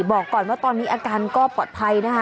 บอกก่อนว่าตอนนี้อาการก็ปลอดภัยนะคะ